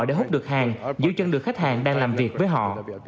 để hút được hàng giữ chân được khách hàng đang làm việc với họ